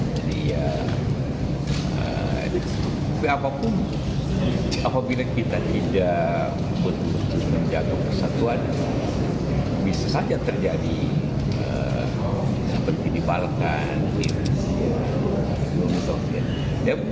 ya apapun apabila kita tidak menjaga persatuan bisa saja terjadi seperti di balkan virus